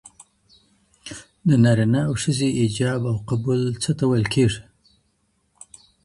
د نارينه او ښځي ايجاب او قبول ته څه ويل کيږي؟